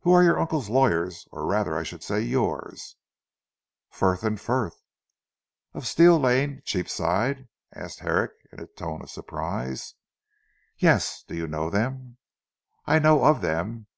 "Who are your uncle's lawyers or rather I should say yours?" "Frith and Frith!" "Of Steel Lane. Cheapside?" asked Herrick in a tone of surprise. "Yes! Do you know them?" "I know of them.